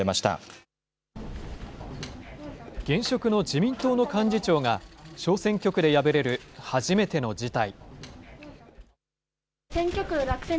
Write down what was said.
現職の自民党の幹事長が、小選挙区で敗れる初めての事態。